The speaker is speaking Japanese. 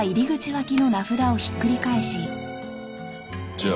じゃあ。